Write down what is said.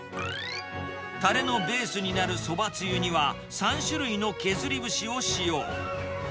たれのベースになるそばつゆには３種類の削り節を使用。